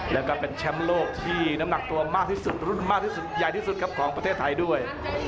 แล้วก็เป็นแชมป์โลกที่น้ำหนักตัวมากที่สุดรุ่นมากที่สุดใหญ่ที่สุดครับของประเทศไทยด้วย